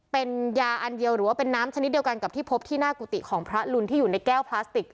เป็นยาอันเดียวหรือว่าเป็นน้ำชนิดเดียวกันกับที่พบที่หน้ากุฏิของพระลุนที่อยู่ในแก้วพลาสติก